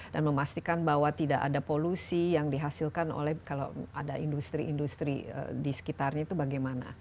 dan memastikan bahwa tidak ada polusi yang dihasilkan oleh kalau ada industri industri di sekitarnya itu bagaimana